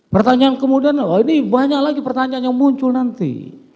pertanyaan kemudian oh ini banyak lagi pertanyaan yang muncul nanti